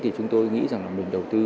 thì chúng tôi nghĩ rằng là mình đầu tư